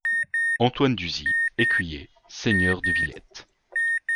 Antoine d'Usie, écuyer, seigneur de Vilette.